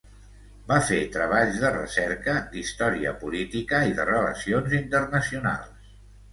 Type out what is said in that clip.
Va fer treballs de recerca d'història política i de relacions internacionals.